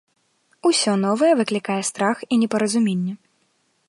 Усё новае выклікае страх і непаразуменне.